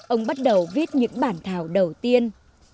ông bắt đầu viết những bản thảo đầu tiên